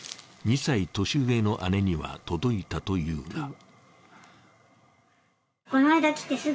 ２歳年上の姉には届いたというが。